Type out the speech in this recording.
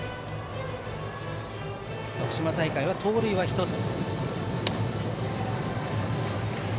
徳島大会で盗塁１つ。